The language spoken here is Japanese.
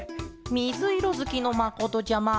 みずいろずきのまことちゃま。